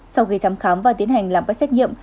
sau khi thăm khám và tiến hành làm các xét nghiệm